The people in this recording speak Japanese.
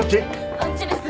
あっちです。